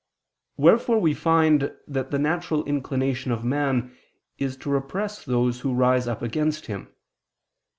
Wherefore we find that the natural inclination of man is to repress those who rise up against him.